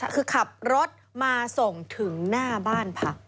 คือขับรถมาส่งถึงหน้าบ้านพัก